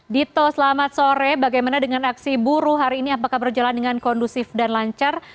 dito selamat sore bagaimana dengan aksi buruh hari ini apakah berjalan dengan kondusif dan lancar